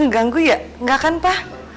ganggu ya gak kan pa